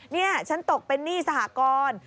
นี่ฉันตกเป็นหนี้สหกร